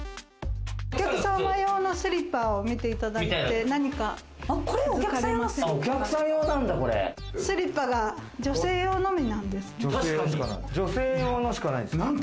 お客様用のスリッパを見ていただいて何かわかりませんか？